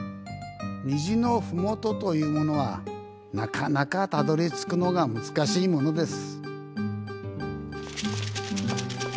虹の麓というものはなかなかたどり着くのが難しいものです。